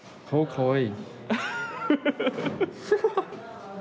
・かわいい。